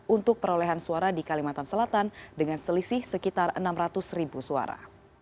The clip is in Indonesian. untuk perolehan suara di kalimantan selatan dengan selisih sekitar enam ratus ribu suara